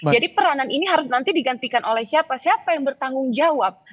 jadi peranan ini nanti harus digantikan oleh siapa siapa yang bertanggung jawab